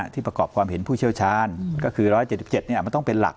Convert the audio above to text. ประกอบความเห็นผู้เชี่ยวชาญก็คือ๑๗๗มันต้องเป็นหลัก